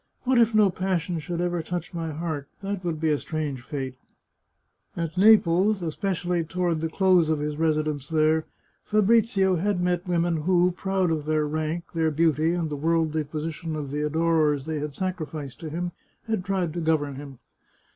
What if no passion should ever touch my heart ? That would be a strange fate !" At Naples, especially toward the close of his residence there, Fabrizio had met women who, proud of their rank, their beauty, and the worldly position of the adorers they had sacrificed to him, had tried to govern him.